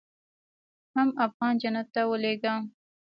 حم افغان جنت ته ولېږه.